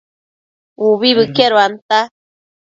Ubi bëqueduanta